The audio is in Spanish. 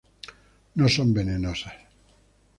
No son venenosas.